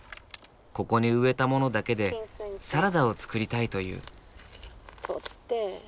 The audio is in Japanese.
ここに植えたものだけでサラダを作りたいという。